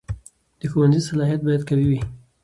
د ښوونځي صلاحیت باید قوي وي.